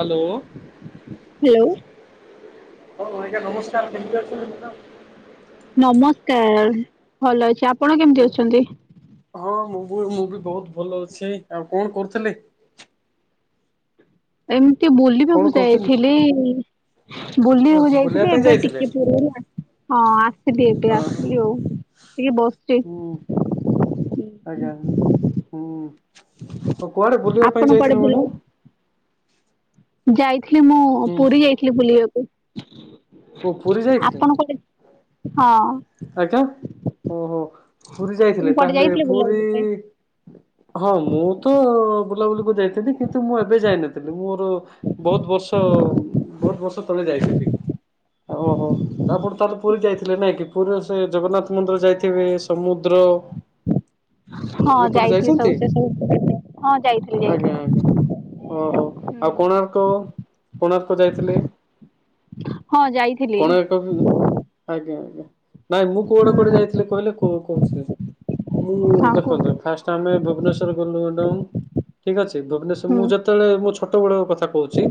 Hello. Hello. ହଉ ଆଜ୍ଞା ନମସ୍କାରେ କେମିତି ଅଛନ୍ତି? ନମସ୍କାର ଭଲ ଅଛି ଆପଣ କେମିତି ଅଛନ୍ତି? ହଁ ମୁଁ ବି ମୁଁ ବି ବହୁତ ଭଲ ଅଛି ଆଉ କଣ କରୁଥିଲେ? ଏମିତି କଣ ବୁଲିବାକୁ କରୁଥିଲି? ଯାଇଥିଲି। ବୁଲିବାକୁ ଓହୋ ବୁଲିବା ଯାଇଥିଲି ପାଇଁ ଏବେ ଯାଇଥିଲେ? ଟିକେ ପୂର୍ବରୁ ଆ। ହଁ ଆସିଲି ଏବେ ଓହୋ ଆସିଲି ଆଉ ଟିକେ ହୁଁ ବସିଚି। ଆଜ୍ଞା ହୁଁ ତ କୁଆଡେ ବୁଲିବା ପାଇଁ ଆପଣ କୁଆଡେ ଯାଇଥିଲ ମାଡ଼ାମ୍? ବୁଲିବାକୁ ଯାଇଥିଲି ମୁଁ ହୁଁ। ପୁରୀ ଯାଇଥିଲି ବୁଲିବାକୁ। ଓ ପୁରୀ ଯାଇଥିଲେ? ଆପଣ କେ ହଁ। ହାଇଟା ଓହୋ ପୁରୀ ତମେ ଯାଇଥିଲେ କୁଆଡେ ତାହେଲେ ଯାଇଥିଲେ ପୁରୀ ବୁଲାବୁଲି ପାଇଁ? ହଁ ମୁଁ ତ ବୁଲାବୁଲିକୁ ଯାଇଥିଲି କିନ୍ତୁ ମୁଁ ଏବେ ଯାଇନଥିଲି ମୋର ବହୁତ ବର୍ଷ ବହୁତ ବର୍ଷ ତଳେ ଯାଇ ଥିଲି। ଓହୋ ଆପଣ ତାହେଲେ ପୁରୀ ଯାଇଥିଲେ ନାଇଁ କି? ପୁରୀ ରେ ସେ ଜଗନ୍ନାଥ ମନ୍ଦିର ଯାଇଥିବେ ସମୁଦ୍ର। ହଁ ଏପଟେ ଯାଇଥିଲି ଯାଇଛନ୍ତି ସବୁ ସେସଵୁ ହଁ ଯାଇଥିଲି ଆଜ୍ଞା ଆଜ୍ଞା ଯାଇଥିଲି। ଓହୋ ଆଉ କୋଣାର୍କ କୋଣାର୍କ ଯାଇଥିଲେ? ହଁ ଯାଇଥିଲି କୋଣାର୍କ କ କୁ ଆଜ୍ଞା ଆଜ୍ଞା। ନାଇଁ ମୁଁ କୁଆଡେ କୁଆଡେ ହୁଁ ଯାଇଥିଲି କହିଲେ କ କହୁଛି ମୁଁ ହଁ କୁହନ୍ତୁ ଦେଖନ୍ତୁ ଫାଟେ୍ ଆମେ ଭୁବନେଶ୍ୱର ଗଲୁ ହେଟୁ ଠିକ୍ ଅଛି ଭୁବନେଶ୍ଵ ହୁଁ ମୁଁ ଯେତେବେଳେ ମୋ ଛୋଟ ବେଳର କଥା କହୁଛି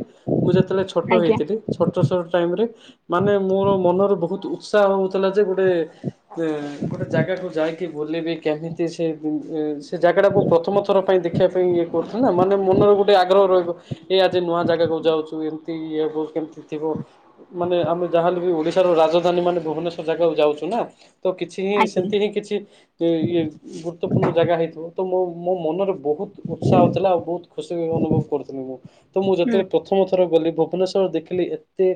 ମୁଁ ଯେତେବେଳେ ଛୋଟ ଆଜ୍ଞା ହେଇଥିଲି ଛୋଟ ଟାଇମି ରେ ମାନେ ମୋର ମନର ବହୁତ ଉତ୍ସାହ ହଉଥିଲା ଯେ ଗୋଟେ ଯେ ଗୋଟେ ଜାଗାକୁ ଯାଇକି ବୁଲିବି କେମିତି ସେ ଜାଗା ଟାକୁ ପ୍ରଥମ ଥର ପାଇଁ ଦେଖିବା ପାଇଁ ଇଏ କରୁଥିଲେ ନା ମାନେ ମନରେ ଗୋଟେ ଆଗ୍ରହ ରହିବ। ଏ ଆଜି ନୂଆ ଜାଗାକୁୁ ଯାଉଛୁ ଏମତି ଇଏହବ କେମିତି ଥିବ। ମାନେ ଆମେ ଯାହାହେଲେ ବି ଓଡିଶାର ର ରାଜଧାନୀ ମାନେ ଭୁବନେଶ୍ୱର୍। ଜାଗାକୁ ଯାଉଛୁ ନା ତ କିଛି ହିଁ ଆଜ୍ଞା ସେମିତି ହିଁ କିଛି ସେ ଇଏ ଗୁରୁତ୍ୱପୂର୍ଣ୍ଣ ଜାଗା ହେଇଥିବ ତ ମୋ ମୋ ମନର ବହୁତ ଉତ୍ସାହଥିଲା ଆଉ ବହୁତୁ ଖୁସି ବି ଅନୁଭବ କରୁଥୁଲି ମୁଁ ତ ମୁଁ ହୁଁ ଯେତେ ପ୍ରଥ ଥମ ଥର ଗଲି ଭୁବନେଶ୍ୱର ଦେଖିଲି ଏତେ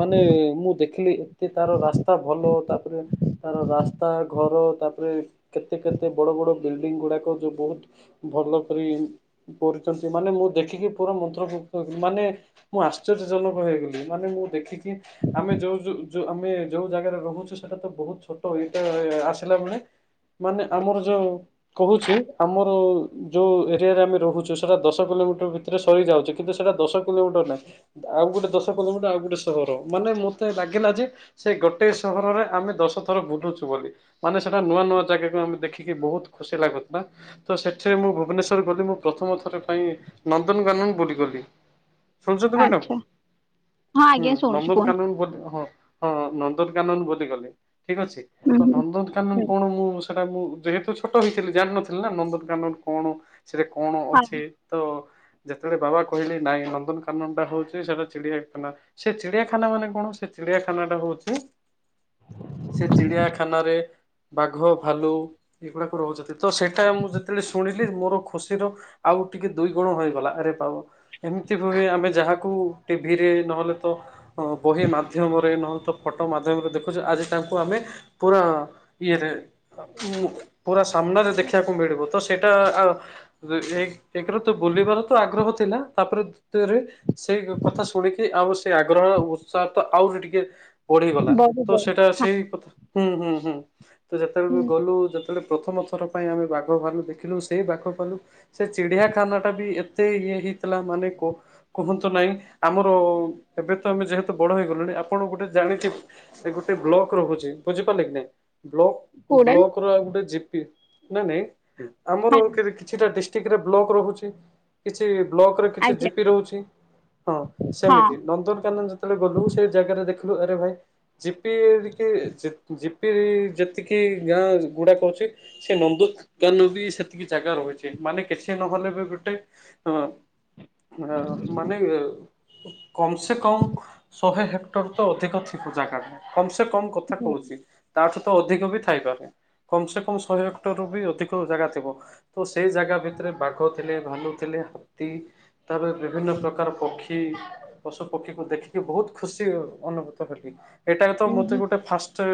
ମାନେ ମୁଁ ଦେଖିଲି ଏତେ ତାର ରାସ୍ ତା ଭଲ ତାପରେ ତାର ରାସ୍ତା ଘର ତାପରେ କେତେ କେତେ ବଡ଼ ବଡ଼ ବିଲଡିଙ୍ଗ୍ ଗୁଡ଼ାକ ଯୋଉ ବହୁତ ଭଲ କରି କରଚନ୍ତି ମାନେ ମୁଁ ଦେଖିକି ପୁରା ମନ୍ତ୍ରମୁଗ୍ଧ ମାନେ ମୁଁ ଆଶ୍ଚର୍ଯ୍ୟ ଜନକ ହେଇଗଲି ମାନେ ମୁଁ ଦେଖକି ଆମେ ଯୋଉ ଯୋଉ ଯୋଉ ଆମେ ଯୋଉ ଜାଗାରେ ରହୁଚୁ ସେଟା ତ ବହୁତ ଛୋଟ ଏଟା ଆସିଲା ବେଳେ ମାନେ ଆମର ଯୋଉ କହୁଚି ଆମର ଯୋଉ ଏରିଆରେ ଆମେ ରହୁଚୁ ସେଟା ଦଶ କିଲୋମିଟର ଭି ତିରେ ସରିଯାଉଚି କିନ୍ତୁ ସେଟା ଦଶ କିଲୋମିଟର୍ ନାଇଁ। ଆଉ ଗୋଟେ ଦଶ କିଲୋମିଟର୍ ଆଉ ଗୋଟେ ସହର ମାନେ ମତେ ଲାଗିଲା ଯେ ସେ ଗୋଟେ ସହରରେ ଆମେ ଦଶ ଥର ବୁଲୁଚୁ ବୋଲି। ମାନେ ସେଟା ନୂଆ ନୂଆ ଜାଗାକୁ ଆମେ ଦେଖିକି ବହୁତ ଖୁସି ଲାଗୁଥୁଲା। ତ ସେଥିରେ ମୁଁ ଭୁବନେଶ୍ଵର ଗଲି ମୁଁ ପ୍ରଥମ ଥର ପାଇଁ ନନ୍ଦନକାନନ ବୁଲି ଗଲି। ଶୁଣଚନ୍ତି ମ୍ୟାଡମ୍ ଆଚ୍ଛା ହଁ ହୁଁ ଆଜ୍ଞା ଶୁଣୁଛି କୁହନ୍ତୁ। ନନ୍ଦନକାନୁନ ବୁଲି ହଁ। ହଁ ନନ୍ଦନକାନନ ବୁଲି ଗଲି ଠିକ୍ ଅଛି ତ ହୁଁ ନନ୍ଦନକାନନ କଣ ମୁଁ ସେଟା ମୁଁ ଯେହେତୁ ଛୋଟ ହେଇଥିଲି ଜାଣିନଥିଲି ନା ନନ୍ଦନକାନନ କଣ ସେଟା କଣ ହଁ ଅଛି। ତ ଯେତେବେଳେ ବାବା କହିଲେ ନାଇଁ ନନ୍ଦନକାନନ ଟା ହଉଛି ସେଟା ଚିଡିଆ ଖାନା। ସେ ଚିଡିଆଖାନା ମାନେ କଣ ସେ ଚିଡିଆଖାନା ଦବ ହୋଉଚି। ସେ ଚିଡ଼ିଆଖାନାରେ ବାଘ ଭାଲୁ। ଏଗୁଡାକ ରହୁଛନ୍ତି ତ ସେଇଟା ମୁଁ ଯେତେବେଳେ ଶୁଣିଲି ମୋର ଖୁସିର। ଆଉ ଟିକେ ଦୁଇ ଗୁଣ ହେଇଗଲା ଆରେ ବାବା। ଏମିତି ହୁଏ ଆମେ ଯାହାକୁ ଟିଭିରେ ନହେଲେ ତ ଅ ବହି ମାଧ୍ୟମ। ଫଟୋ ମାଧ୍ୟମରେ ଦେଖୁଛୁ ଆଜି ତାଙ୍କୁ ଆମେ ପୁରା ଇଏରେ। ମୁଁ ପୁରା ସାମ୍ନାରେ ଦେଖିବାକୁ ମିଳିବ ତ ସେଇଟା ଆ। ତ ଏକ ଏକଗରେ ତ ବୁଲିବାର ତ ଆଗ୍ରହ ଥିଲା ତାପରେ ଦୁର୍ତିୟ ରେ। ସେଇ କଥା ଶୁଣିକି ଆମର ସେଇ ଆଗ୍ରହ ଉତ୍ସାହ ତ ଆଉ ଟିକେ। ଟିକେ ବଢିଗଲା ତ ବଢିବ ସେଇଟା ହଁ ସେଇ କଥା ହୁଁ ହୁଁ ହୁଁ ତ ଯେତେବେଳେ ହୁଁ ଗଲୁ ତଲେ ପ୍ରଥମ ଥର ପାଇଁ ଆମେ ବାଘ ଭାଲୁ ଦେଖିଲୁ ସେହି ବାଘ ଭାଲୁ। ସେ ଚିଡିଆଖାନା ଟା ବି ଏତେ ଇଏ ହେଇଥିଲା ମାନେ କ। କୁହନ୍ତୁ ନାହିଁ ଆମର ଏବେ ତ ଆମେ ଯେହେତୁ ବଡ ହେଇଗଲୁଣି ଆ। ଆପଣ ଗୋଟେ ଜାଣିଥିବ ଗୋଟେ ବ୍ଲକ ରହୁଛି ବୁଝିପାରିଲେ କି ନାଇଁ। ବ୍ଲ କୋଡା ବ୍ଲକ ର ଗୋଟେ ଜିପି ନ ନାଇଁ ହଁ ଆମର କିଛିଟା ଡିଷ୍ଟ। ଡିଷ୍ଟିକ ରେ ବ୍ଲକ୍ ରହୁଛି। କିଛି ବ୍ଲକରେ କିଛି ଆଜ୍ଞା ଜିପି ରହୁଛି ହଁ ହଁ ସେମିତି ନନ୍ଦନକାନନ ଯେତେବେଳେ ଗଲୁ ସେଇ। ଜାଗରେ ଦେଖିଲୁ ଆରେ ଭାଇ ଜିପି ଜିପି ରେ ଯେତିକି ଗାଁ ଗୁଡାକ ଅଛି। ସେ ନନ୍ଦ କାନ ବି ସେତିକି ଜାଗା ରହିଛି ମାନେ କିଛି ନହେଲେ ବି ଗୋଟେ। ହଁ। ମାନେ କମ ସେ କମ ଶହେ ହେ। ହେକ୍ଟର ତ ଅଧିକ ଥିବ ଜାଗା ଟା କମ ସେ କମ କଥା ହୁଁ କହୁଛି ତାଠୁ ତ ଅଧିକ ବି ଥାଇପାରେ। କମ ସେ କମ ଶହେ ହେକ୍ଟର ରୁ ବି ଅଧିକ ଜାଗା ଥିବ। ତ ସେଇ ଜାଗା ଭିତରେ ବାଘ ଥିଲେ ଭାଲୁ ଥିଲେ ହାତୀ। ତାପରେ ବିଭିନ୍ନ ପ୍ରକାର ପକ୍ଷୀ ପଶୁ ପକ୍ଷୀକୁ ଦେଖିକି ବହୁତ ଖୁସି। ଅନୁଭୂତ ହେଲି ଏଟା ତ ହୁଁ ମତେ ହୁଁ ଗୋଟେ ଫାଷ୍ଟ।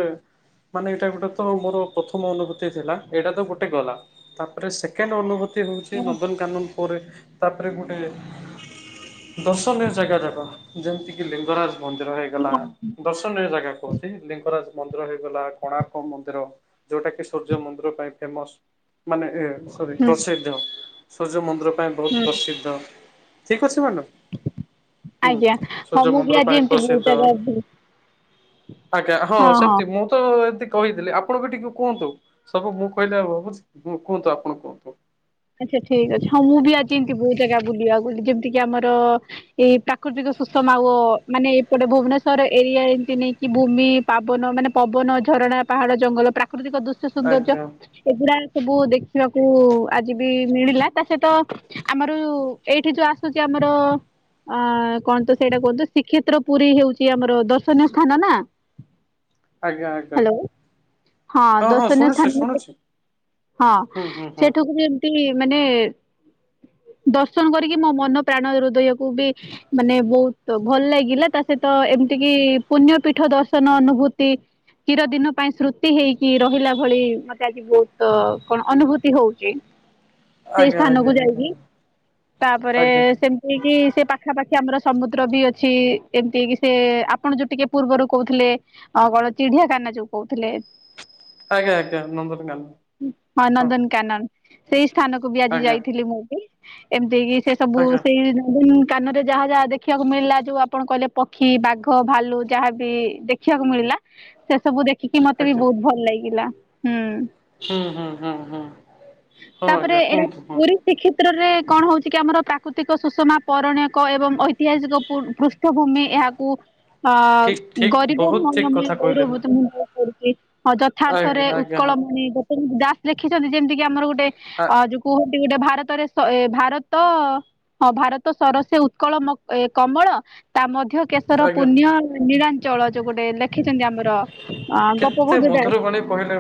ମାନେ ଏଇଟା ଗୋଟେ ତ ମୋର ପ୍ରଥମ ଅନୁଭୂତି ଥିଲା ଏଇଟା ତ ଗୋଟେ ଗଲା ତାପରେ ସେକେଣ୍ଡ ଅନୁଭୂତି। ହଉଛି ନନ୍ଦନକାନନ ପରେ ତାପରେ ଗୋଟେ। ଦର୍ଶନୀୟ ଜାଗା ଜାଗା ଯେମିତି କିି ଲିଙ୍ଗରାଜ ମନ୍ଦିର ହେଇଗଲା। ଦର୍ଶନୀୟ ଜାଗା କହୁଛି ଲିଙ୍ଗରାଜ ମନ୍ଦିର ହେଇଗଲା କୋଣାର୍କ ମନ୍ଦିର। ଯୋଉଟା କି ସୂର୍ଯ୍ୟ ମନ୍ଦିର ପାଇଁ ଫେମସ୍ ମାନେ। ସରି ପ୍ରସିଦ୍ଧ ସୂର୍ଯ୍ୟ ମନ୍ଦିର ପାଇଁ ବହୁତ ପ୍ରସିଦ୍ଧ ଠିକ ଅଛି ମ୍ୟାଡ଼ାମ। ହୁଁ ଆଜ୍ଞା ହଁ ସୂର୍ଯ୍ୟ ମୁଁ ମନ୍ଦିର ବି ଆଜି ପାଇଁ ଏମତି ପ୍ରସିଦ୍ଧ ଆଜ୍ଞା ହଁ ସେମିତି ମୁଁ। ତ ଏତି କହିଥିଲି ଆପଣ ବି ଟିକେ କୁହନ୍ତୁ ସବୁ ମୁଁ କହିଲି ଭାବୁଛି କୁହନ୍ତୁ ଆପଣ କୁହନ୍ତୁ। ଆଚ୍ଛା ଠିକ ଅଛି ହଁ ମୁଁ ବି ଆଜି ଏମିତି ବହୁତ ଜାଗା ବୁଲିବାକୁ ଯେମିତିି ଆମର। ଏଇ ପ୍ରାକୃତିକ ସୁଷମା ଓ ମାନେ ଏପଟେ ଭୁବନେଶ୍ଵର ଏରିଆ ଏମତି ନେଇକି। କି ଭୂମି ପାବନ ମାନେ ପବନ ଝରଣା ପାହାଡ ଜଙ୍ଗଲ ପ୍ରାକୃତିକ ଦୂର। ସୌନ୍ଦର୍ଯ୍ୟ ଆଜ୍ଞା ଏଗୁଡା ସବୁ ଦେଖିବାକୁ। ଆଜି ବି ମିଳିଲା ତା ସହିତ ଆମର ଏଇଠି ଯୋଉ ଆସୁଛି ଆମର। ଆ କଣ ତ ସେଇଟା କୁହନ୍ତୁ ଶ୍ରୀକ୍ଷେତ୍ର ପୁରୀ ହେଉଛି ଆମର ଦର୍ଶନୀୟ ସ୍ଥାନ ନା। ଆଜ୍ଞା ଆଜ୍ଞା ହ୍ୟାଲୋ ହଁ ଦର୍ଶନୀୟ ସ୍ଥାନ। ହଁ ହୁଁ ହୁଁ ହୁଁ ସେଇଠାକୁ ବି ଏମତି ମାନେ ଦର୍ଶନ କରିକି ମୋ ମନ ପ୍ରାଣ ହୃଦୟକୁ ବି ମାନେ ବହୁତ ଭଲ ଲାଗିଲା ତା ସହିତ ଏମିତି କିି ପୁଣ୍ୟ ପୀଠ ଦର୍ଶନ ଅନୁଭୂତି ଚିର ଦିନ ପାଇଁ ସ୍ମୃତି ହେଇକି ରହିଲା ଭଳି ମତେ ଆଜି ବହୁତ କଣ ଅନୁଭୂତି ହଉଛି। ସେଇ ଆଜ୍ଞା ସ୍ଥାନକୁୁ ଆଜ୍ଞା ଆଜ୍ଞା ଯାଇକି ତାପରେ ଆଜ୍ଞା ସେ ସେ ପାଖାପାଖି ଆମର ସମୁଦ୍ର ବି ଅଛି ଏମିତି କି ସେ ଆପଣ ଯୋଉ ଟିକେ ପୂର୍ବରୁ କହୁଥିଲେ ଅ କଣ ଚିଡିଆଖାନା ଯୋଉ କହୁଥିଲେ ଆଜ୍ଞା ଆଜ୍ଞା ନନ୍ଦନକାନନ ହଁ କାନନ ସେଇ ସ୍ଥାନକୁ ବି ଆଜି ଆଜ୍ଞା ଯାଇଥିଲି ମୁଁ ବି ଏମିତି କି ସେ ସବୁ ଆଜ୍ଞା ସେଇ କାନରେ ଯାହା ଯାହା ଦେଖିବାକୁ ମିଳିଲା ଯୋଉ ଆପଣ କହିଲେ ପକ୍ଷୀ, ବାଘ, ଭାଲୁ ଯାହାବି ଦେଖିବାକୁ ମିଳିଲା ସେ ସବୁ ଦେଖିକି ମତେ ବି ଆଜ୍ଞା ବହୁତ ଭଲ ଲାଗିଲା ହୁଁ। ହୁଁ ହୁଁ ହୁଁ ହୁଁ ହଁ ତାପରେ ଆଜ୍ଞା ଏଇଟା କୁହନ୍ତୁ ହୁଁ। ପୁରୀ ଶ୍ରୀକ୍ଷେତ୍ରରେ କଣ ହଉଛି କି ଆମର ପ୍ରାକୃତିକ ସୁଷମା ପୌରାଣିକ ଏବଂ ଐତିହାସିକ ପୃ ପୃଷ୍ ତୀର୍ଥଭୂମି ଏହାକୁ ଅ ଠିକ୍ ଠିକ୍ ଗରିବ ବହୁତ ଠିକ୍ ମହିମ କଥା ଗୌରବ କହିଲେ ବୋଲି ଅନୁଭୂତ ହୁଏ। ଯଥାର୍ଥରେ ଆଜ୍ଞା ଆଜ୍ଞା ଉତ୍କଳ ହଁ ମଣି ଗୋପବନ୍ଧୁ ଦାସ ଲେଖିଛନ୍ତି ଯେମିତି କି ଆମର ଗୋଟେ ଆ ଯଉ କୁହନ୍ତି ଗୋଟେ ଭାରତରେ ଏ ଭାରତ ହଁ ଭାରତ ସରସେ ଉତ୍କଳ କମଳ ତା ମଧ୍ୟେ ମଧ୍ୟ କେଶର ଆଜ୍ଞା ପୁଣ୍ୟ ନୀଳାଞ୍ଚଳ ଯୋଉ ଗୋଟେ ଲେଖିଛନ୍ତି ଆମର ଅ ଗୋପବନ୍ଧୁ ଦାସ୍। ପୁଣି କହିଲେ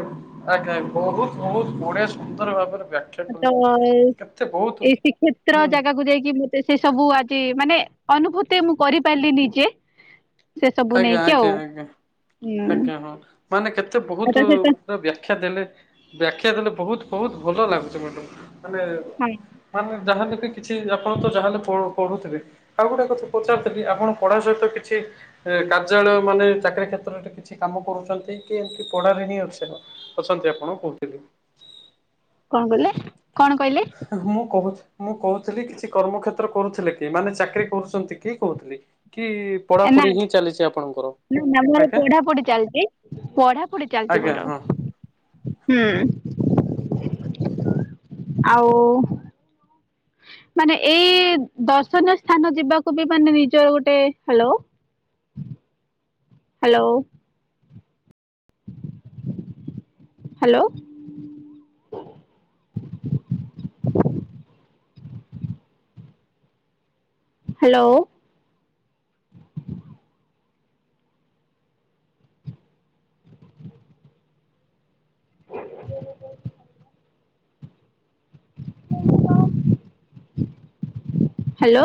ଆଜ୍ଞା ବହୁତ ବହୁତ ବଢିଆ ସୁନ୍ଦର ଭାବରେ ବ୍ୟାଖ୍ୟା ତ କଲେ କେତେ ବହୁତ ଏଇ ଶ୍ରୀକ୍ଷେତ୍ର ହୁଁ ଜାଗାକୁ ଯାଇକି ସେ ସବୁ ଆଜି ମାନେ ଅନୁଭୂତି ମୁଁ କରିପାରିଲି ନିଜେ ସେ ସବୁ ଆଜ୍ଞା ନେଇକି ଆଜ୍ଞା ଆଉ ଆଜ୍ଞା ହୁଁ ଆଜ୍ଞା ହଁ ମାନେ କେତେ ତା ବହୁତ ସହିତ ବ୍ୟାଖ୍ୟା ଦେଲେ ବ୍ୟାଖ୍ୟା ଦେଲେ ବହୁତ ବହୁତ ଭଲ ଲାଗୁଛି ମ୍ୟାଡମ୍ ମାନେ ହଁ। ମାନେ ଯାହାଲେ ବି କିଛି ଆପଣ ତ ଯାହାଲେ ତ ପଢୁଥିବେ? ଆଉ ଗୋଟେ କଥା ପଚାରୁଥିଲି ଆପଣ ପଢା ସହିତ କିଛି କାର୍ଯ୍ୟାଳୟ ମାନେ ଚାକିରୀ କ୍ଷେତ୍ରରେ କିଛି କାମ କରୁଛନ୍ତି କି ଏମିତି ପଢ଼ାରେ ହିଁ ଅଛ ଅଛନ୍ତି ଆପଣ କହୁଥିଲି। କଣ କହିଲେ କଣ କହିଲେ? ମୁଁ କହୁ ମୁଁ କହୁଥିଲି କିଛି କର୍ମ କ୍ଷେତ୍ର କରୁଥିଲେ କି ମାନେ ଚାକିରି କରୁଛନ୍ତି କି କହୁଥିଲି। କି ପଢାପଢି ହିଁ ଚାଲିଛି ଆପଣଙ୍କର। ନା ନା ମାନେ ଆଜ୍ଞା ପଢାପଢି ଚାଲିଛି ପଢାପଢି ଚାଲିଛି ଆଜ୍ଞା ମୋର ହଁ। ହୁଁ। ଆଉ। ମାନେ ଏଇ ଦର୍ଶନୀୟ ସ୍ଥାନ ଯିବାକୁ ବି ମାନେ ନିଜର ଗୋଟେ hello. Hello. Hello. Hello. Hello.